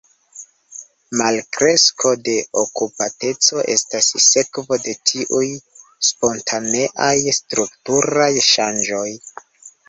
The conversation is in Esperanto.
Malkresko de okupateco estas sekvo de tiuj spontaneaj strukturaj ŝanĝoj.